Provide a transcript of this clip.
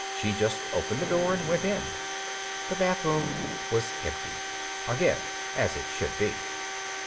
She just opened the door and went in. The bathroom was empty. Again, as it should be.